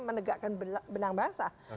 menegakkan benang basah